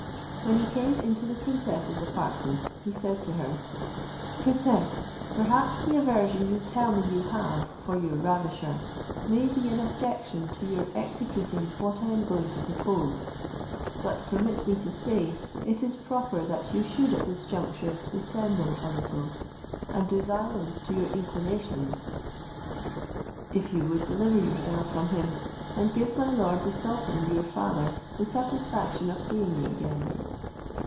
When he came into the princess's apartment, he said to her, "Princess, perhaps the aversion you tell me you have for your ravisher may be an objection to your executing what I am going to propose; but permit me to say it is proper that you should at this juncture dissemble a little, and do violence to your inclinations, if you would deliver yourself from him, and give my lord the sultan your father the satisfaction of seeing you again.